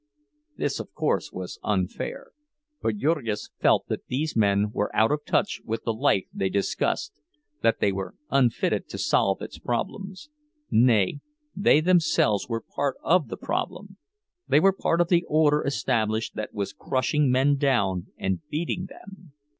—This, of course, was unfair; but Jurgis felt that these men were out of touch with the life they discussed, that they were unfitted to solve its problems; nay, they themselves were part of the problem—they were part of the order established that was crushing men down and beating them!